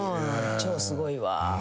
超すごいわ。